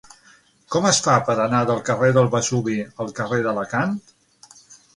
Com es fa per anar del carrer del Vesuvi al carrer d'Alacant?